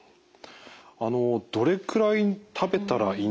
あのどれくらい食べたらいいんでしょうか？